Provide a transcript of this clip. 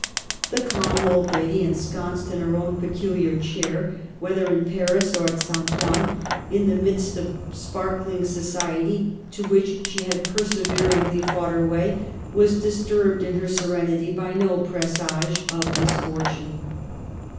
The calm old lady, ensconced in her own peculiar chair, whether in Paris or at St. Ouen, in the midst of the sparkling society to which she had perseveringly fought her way, was^ disturbed in her serenity by no presage of misfortune.